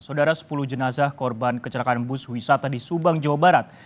saudara sepuluh jenazah korban kecelakaan bus wisata di subang jawa barat